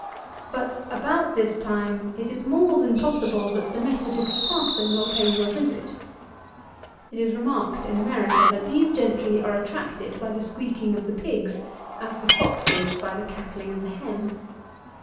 But about this time, it is more than possible that the Methodist parson will pay you a visit. It is remarked in America, that these gentry are attracted by the squeaking of the pigs, as the fox is by the cackling of the hen.